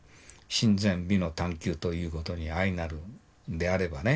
真善美の探究ということに相成るんであればね